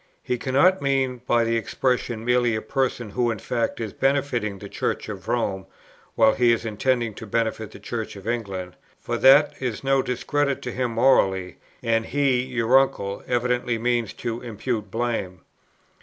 He cannot mean by the expression merely a person who in fact is benefiting the Church of Rome, while he is intending to benefit the Church of England, for that is no discredit to him morally, and he (your uncle) evidently means to impute blame.